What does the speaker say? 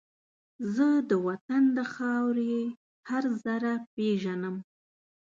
زه د وطن د خاورې هر زره پېژنم